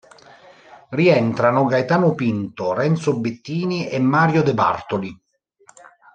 Rientrano Gaetano Pinto, Renzo Bettini e Mario De Bartoli.